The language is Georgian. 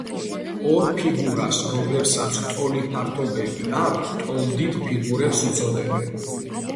ორ ფიგურას, რომელებსაც ტოლი ფართობები აქვთ, ტოლდიდ ფიგურებს უწოდებენ.